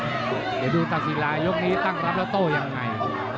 เดี๋ยวดูตาศิลายกนี้ตั้งรับแล้วโต้ยังไง